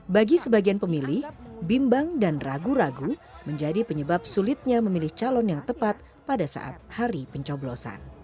bagi sebagian pemilih bimbang dan ragu ragu menjadi penyebab sulitnya memilih calon yang tepat pada saat hari pencoblosan